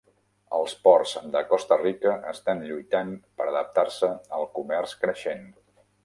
Els ports de Costa Rica estan lluitant per adaptar-se al comerç creixent.